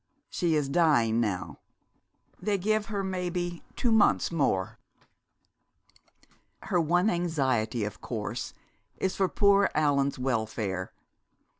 She is dying now they give her maybe two months more. "Her one anxiety, of course, is for poor Allan's welfare.